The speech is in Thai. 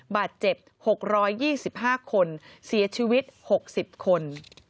บาดเจ็บ๖๒๕คนเสียชีวิต๖๐คน